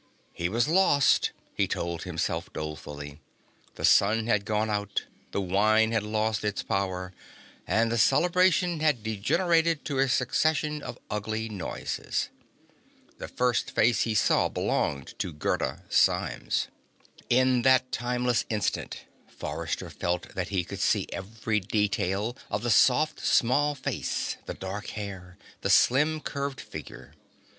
He was lost, he told himself dolefully. The sun had gone out, the wine had lost its power and the celebration had degenerated to a succession of ugly noises. The first face he saw belonged to Gerda Symes. In that timeless instant, Forrester felt that he could see every detail of the soft, small face, the dark hair, the slim, curved figure.